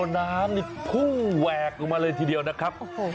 น้ำนี่พุ่งแหวกลงมาเลยทีเดียวนะครับ